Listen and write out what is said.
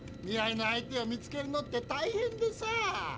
見合いの相手を見つけるのってたいへんでさ。